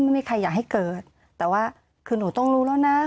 ไม่มีใครอยากให้เกิดแต่ว่าคือหนูต้องรู้แล้วนะ